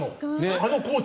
あのコーチ。